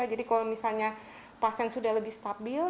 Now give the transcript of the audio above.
jadi kalau misalnya pasien sudah lebih stabil